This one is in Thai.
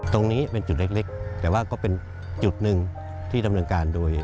ตรงนี้เป็นจุดเล็กแต่ว่าก็เป็นจุด๑